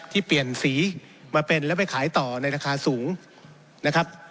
ที่เปลี่ยนสีมาเป็นแล้วไปขายต่อในราคาสูงนะครับ